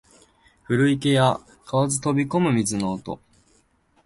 古池や蛙飛び込む水の音